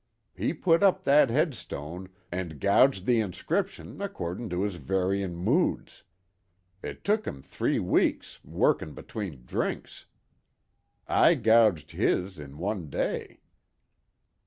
'E put up that headstone and gouged the inscription accordin' to his varyin' moods. It took 'im three weeks, workin' between drinks. I gouged his in one day."